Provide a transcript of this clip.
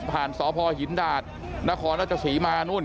ผ่านสอพหินดาดนครรัฐศรีมานู้น